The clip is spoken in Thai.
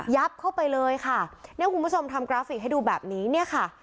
เข้าไปเลยค่ะเนี่ยคุณผู้ชมทำกราฟิกให้ดูแบบนี้เนี่ยค่ะ